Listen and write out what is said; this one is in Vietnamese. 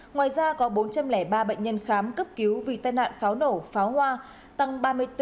ngoài ra có bốn trăm linh ba bệnh nhân khám cấp cứu vì tai nạn pháo nổ pháo hoa tăng ba mươi bốn